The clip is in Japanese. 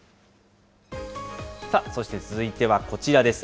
さあ、そして続いてはこちらです。